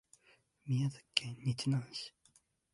宮崎県日南市